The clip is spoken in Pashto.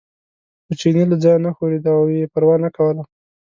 خو چیني له ځایه نه ښورېده او یې پروا نه کوله.